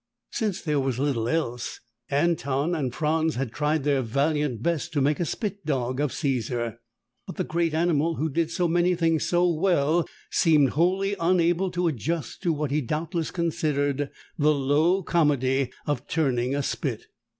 Since there was little else, Anton and Franz had tried their valiant best to make a spit dog of Caesar. But the great animal, who did so many things so well, seemed wholly unable to adjust to what he doubtless considered the low comedy of turning a spit.